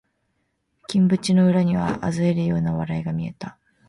金縁の裏には嘲るような笑いが見えた